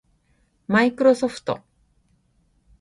マイクロソフト